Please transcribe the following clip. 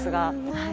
はい。